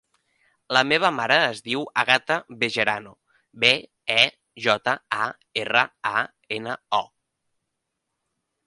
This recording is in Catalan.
La meva mare es diu Àgata Bejarano: be, e, jota, a, erra, a, ena, o.